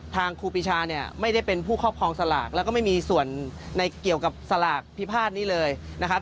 ครูปีชาเนี่ยไม่ได้เป็นผู้ครอบครองสลากแล้วก็ไม่มีส่วนในเกี่ยวกับสลากพิพาทนี้เลยนะครับ